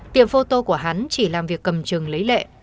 tiệm photo của hắn chỉ làm việc cầm chừng lấy lệ